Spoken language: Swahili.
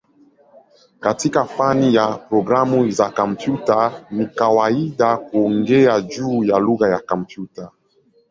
Katika fani ya programu za kompyuta ni kawaida kuongea juu ya "lugha ya kompyuta".